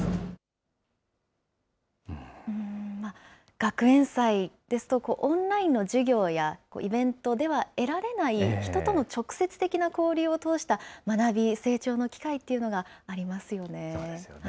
学園祭ですと、オンラインの授業やイベントでは得られない、人との直接的な交流を通した学び、成長の機会っていうのがありますよね。